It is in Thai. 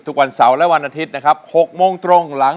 ทุกวันเสาร์และวันอาทิตย์นะครับ๖โมงตรงหลัง